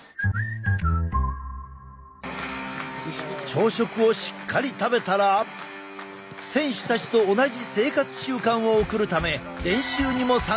朝食をしっかり食べたら選手たちと同じ生活習慣を送るため練習にも参加させてもらった。